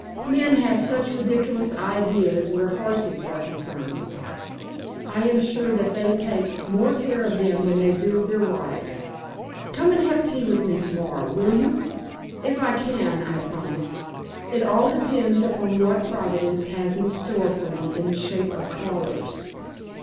Men have such ridiculous ideas where horses are concerned. I am sure that they take more care of them than they do of their wives. Come and have tea with me to morrow, will you?" "If I can," I promised. "It all depends upon what Providence has in store for me in the shape of callers."